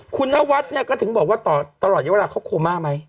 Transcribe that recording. คุณนวัดเนี่ยก็ถึงบอกว่าตลอดเยอะเวลาเขาโคม่าไหม